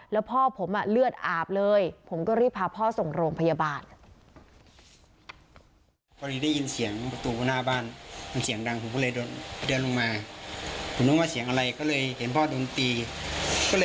แล้วพ่อผมเลือดอาบเลยผมก็รีบพาพ่อส่งโรงพยาบาล